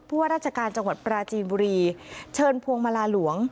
ว่าราชการจังหวัดปราจีนบุรีเชิญพวงมาลาหลวง